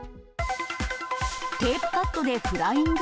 テープカットでフライング。